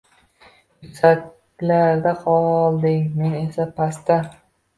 Yuksaklarda qolding, men esa pastda